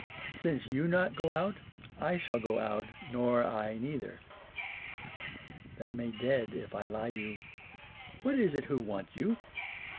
Since you not go out, I shall go out nor I neither. That may dead if I lie you. What is it who want you